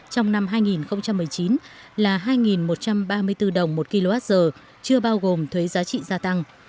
trong năm hai nghìn một mươi chín là hai một trăm ba mươi bốn đồng một kwh chưa bao gồm thuế giá trị gia tăng